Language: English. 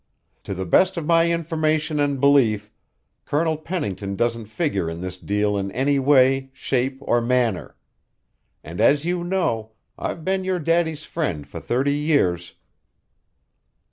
To the best of my information and belief, Colonel Pennington doesn't figure in this deal in any way, shape, or manner; and as you know, I've been your daddy's friend for thirty years."